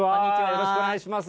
よろしくお願いします。